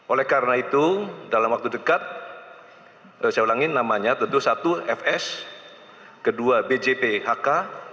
oleh karena itu dalam waktu dekat saya ulangi namanya tentu satu fs kedua bjphk